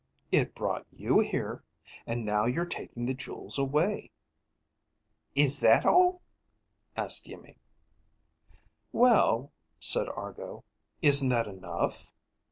"It brought you here. And now you're taking the jewels away." "Is that all?" asked Iimmi. "Well," said Argo, "Isn't that enough?"